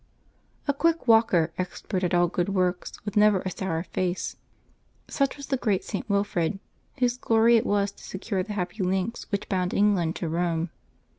JIII quick: walker, expert at all good works, with never a 5—1 sour face ''— such was the great St. Wilfrid, whose glory it was to secure the happy links which bound Eng land to Eome.